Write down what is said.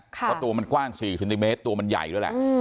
เพราะตัวมันกว้าง๔เซนติเมตรตัวมันใหญ่ด้วยแหละ